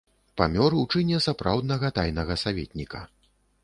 Памёр у чыне сапраўднага тайнага саветніка.